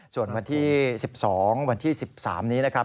ส่วนวันที่๑๒วันที่๑๓นี้นะครับ